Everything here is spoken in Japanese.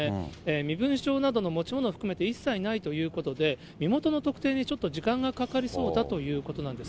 身分証などの持ち物を含めて一切ないということで、身元の特定にちょっと時間がかかりそうだということなんです。